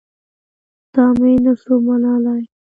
دا مې نه سو منلاى.